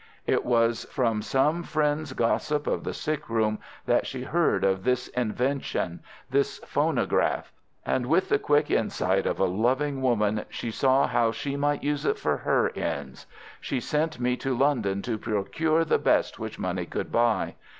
"It was from some friend's gossip of the sick room that she heard of this invention—this phonograph—and with the quick insight of a loving woman she saw how she might use it for her ends. She sent me to London to procure the best which money could buy.